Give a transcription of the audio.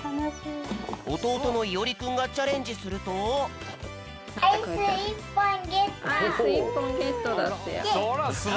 おとうとのいおりくんがチャレンジするとアイス１ぽんゲットだってよ。